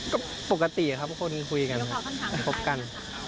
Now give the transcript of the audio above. ก็ปกติครับคนคุยกันพบกัน